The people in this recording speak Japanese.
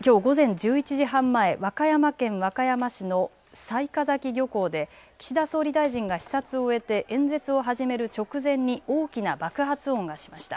きょう午前１１時半前、和歌山県和歌山市の雑賀崎漁港で岸田総理大臣が視察を終えて演説を始める直前に大きな爆発音がしました。